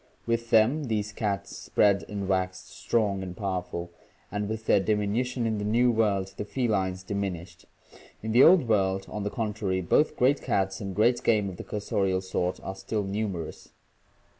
With them, these cats spread and waxed strong and powerful, and with their diminution in the New World the felines diminished. In the Old World, on the contrary, both great cats and great game of the cursorial sort are still numerous.